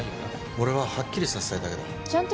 俺ははっきりさせたいだけだ